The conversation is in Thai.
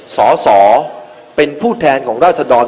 สอสอเป็นผู้แทนของราศดร